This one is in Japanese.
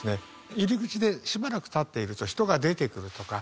入り口でしばらく立っていると人が出てくるとか人が入るとか